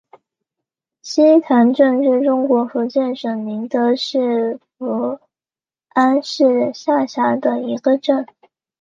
溪潭镇是中国福建省宁德市福安市下辖的一个镇。